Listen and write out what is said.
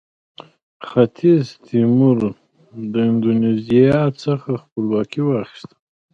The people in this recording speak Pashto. ختیځ تیمور د اندونیزیا څخه خپلواکي واخیسته.